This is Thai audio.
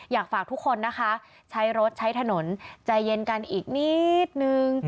อยากฝากทุกคนนะคะใช้รถใช้ถนนใจเย็นกันอีกนิดนึง